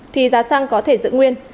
thì giá xăng có thể giữ nguyên